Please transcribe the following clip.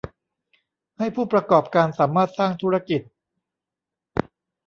ให้ผู้ประกอบการสามารถสร้างธุรกิจ